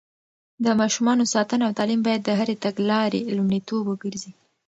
د ماشومانو ساتنه او تعليم بايد د هرې تګلارې لومړيتوب وګرځي.